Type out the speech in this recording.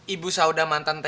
ibu saudah mantan tkw